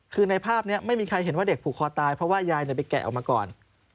คือในภาพนี้ไม่มีใครเห็นว่าเด็กผูกคอตายเพราะว่ายายไปแกะออกมาก่อน